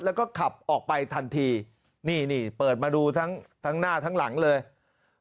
แล้วก็ขับออกไปทันทีเปิดมาดูทั้งหน้าทั้งหลังเลยแม่ค้าทุเรียน